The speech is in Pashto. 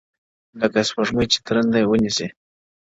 • لكه سپوږمۍ چي ترنده ونيسي ـ